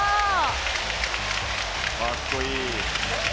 かっこいい。